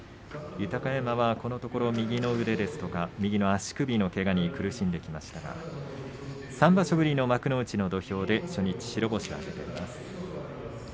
豊山はこのところ右の腕ですとか右の足首のけがに苦しんできましたが３場所ぶりの幕内の土俵で初日、白星を挙げています。